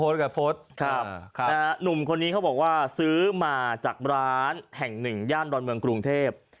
หนุ่มคนนี้เขาบอกว่าซื้อมาจากร้านแห่งหนึ่งย่านดอนเมืองกรุงเทพ